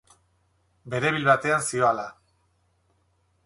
Beribil batean zihoala.